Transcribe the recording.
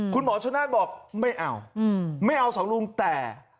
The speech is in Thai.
คุณหมอชนาธิ์บอกไม่เอาไม่เอาสองลุงแต่